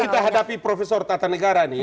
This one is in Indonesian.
ini kita hadapi profesor tata negara nih ya